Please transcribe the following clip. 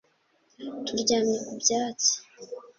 Turyamye ku byatsi